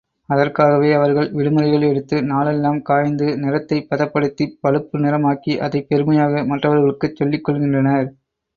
அதற்காகவே அவர்கள் விடுமுறைகள் எடுத்து நாளெல்லாம் காய்ந்து நிறத்தைப் பதப்படுத்திப் பழுப்பு நிறமாக்கி அதைப் பெருமையாக மற்றவர்களுக்குச் சொல்லிக்கொள்கின்றனர்.